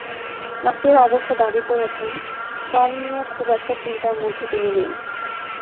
নাসির অবশ্য দাবি করছেন, ফর্ম নিয়ে খুব একটা চিন্তার মধ্যে তিনি নেই।